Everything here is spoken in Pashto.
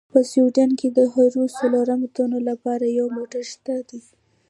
په سویډن کې د هرو څلورو تنو لپاره یو موټر شته دي.